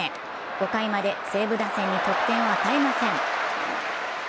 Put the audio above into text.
５回まで西武打線に得点を与えません。